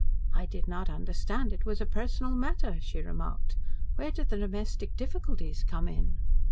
"I did not understand it was a personal matter," she remarked. "Where do the domestic difficulties come in?"